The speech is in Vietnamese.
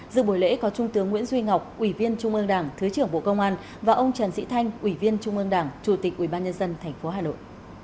giữa buổi lễ có trung tướng nguyễn duy ngọc ủy viên trung ương đảng thứ trưởng bộ công an và ông trần sĩ thanh ủy viên trung ương đảng chủ tịch ủy ban nhân dân tp hà nội